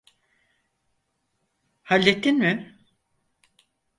Hallettin mi?